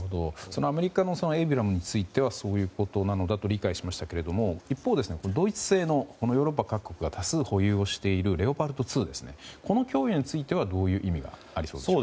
アメリカのエイブラムスついてはそういうことなのだと理解しましたが一方、ドイツ製のヨーロッパ各国が多数保有しているレオパルト２に関してはどういう面があると思いますか。